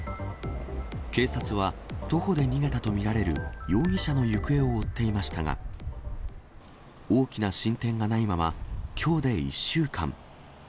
警察は、徒歩で逃げたと見られる容疑者の行方を追っていましたが、大きな進展がないまま、きょうで１週間。